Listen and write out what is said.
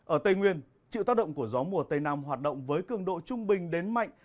ở tây nguyên chịu tác động của gió mùa tây nam hoạt động với cường độ trung bình đến mạnh